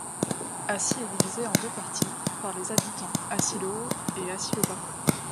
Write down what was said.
Acy est divisée en deux parties par les habitants, Acy-le-haut et Acy-le-bas.